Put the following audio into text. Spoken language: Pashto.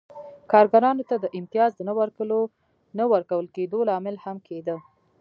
کارګرانو ته د امتیاز د نه ورکول کېدو لامل هم کېده.